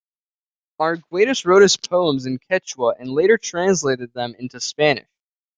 Arguedas wrote his poems in Quechua and later translated them into Spanish.